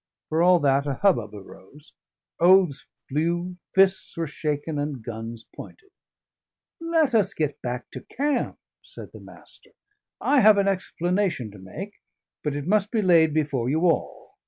For all that, a hubbub arose; oaths flew, fists were shaken, and guns pointed. "Let us get back to camp," said the Master. "I have an explanation to make, but it must be laid before you all.